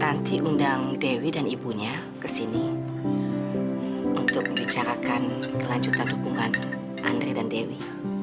nanti undang dewi dan ibunya ke sini untuk membicarakan kelanjutan dukungan andre dan dewi